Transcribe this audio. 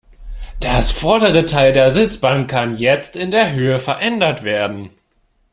Das vordere Teil der Sitzbank kann jetzt in der Höhe verändert werden.